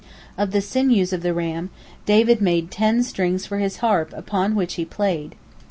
Of the sinews of the ram, David made ten strings for his harp upon which he played.